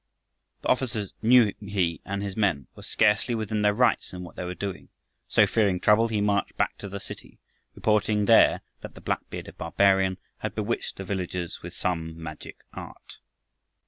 The officer knew he and his men were scarcely within their rights in what they were doing; so, fearing trouble, he marched back to the city, reporting there that the black bearded barbarian had bewitched the villagers with some magic art.